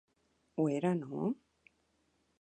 Ho era, no?